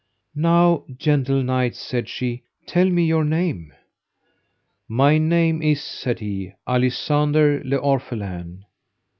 Now, gentle knight, said she, tell me your name. My name is, said he, Alisander le Orphelin.